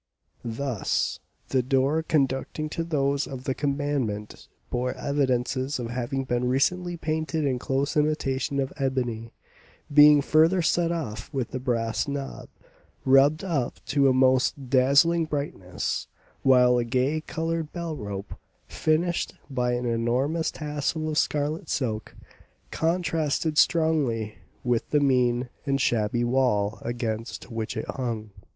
Thus, the door conducting to those of the commandant bore evidences of having been recently painted in close imitation of ebony, being further set off with a brass knob rubbed up to a most dazzling brightness, while a gay coloured bell rope, finished by an enormous tassel of scarlet silk, contrasted strongly with the mean and shabby wall against which it hung.